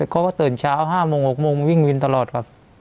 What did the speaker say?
เขาก็ตื่นเช้า๕โมง๖โมงวิ่งวินตลอดครับ